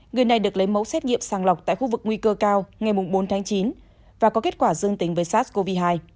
người này được lấy mẫu xét nghiệm sàng lọc tại khu vực nguy cơ cao ngày bốn tháng chín và có kết quả dương tính với sars cov hai